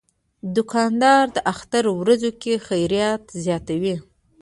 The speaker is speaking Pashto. دوکاندار د اختر ورځو کې خیرات زیاتوي.